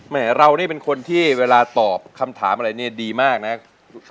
เรานี่เป็นคนที่เวลาตอบคำถามอะไรเนี่ยดีมากนะ